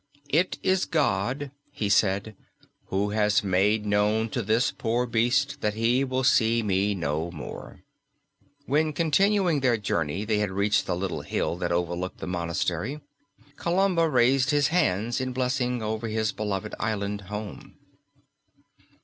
"It is God," he said, "who has made known to this poor beast that he will see me no more." When continuing their journey they had reached the little hill that overlooked the monastery, Columba raised his hands in blessing over his beloved island home.